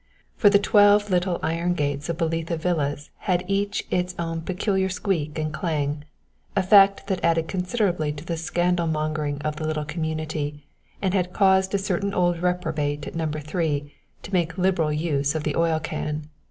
For the twelve little iron gates of Belitha Villas had each its own peculiar squeak and clang, a fact that added considerably to the scandal mongering of the little community, and had caused a certain old reprobate at No. 3 to make liberal use of the oil can.